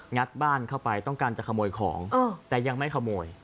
ัดบ้านเข้าไปต้องการจะขโมยของแต่ยังไม่ขโมย